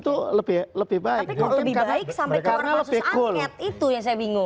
tapi kok lebih baik sampai keluar pasus angket itu yang saya bingung